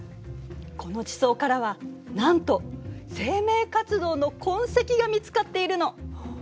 この地層からはなんと生命活動の痕跡が見つかっているの。